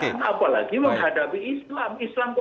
kemunduran apalagi menghadapi islam